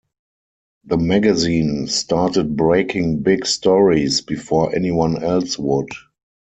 The magazine started breaking big stories before anyone else would.